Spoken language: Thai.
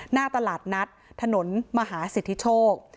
หน้าตลาดนัดถนนมหาสิทธิโชค